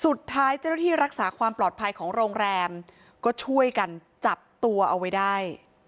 สุดท้ายเจ้าหน้าที่รักษาความปลอดภัยของโรงแรมก็ช่วยกันจับตัวเอาไว้ได้